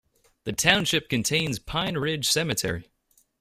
The township contains Pine Ridge Cemetery.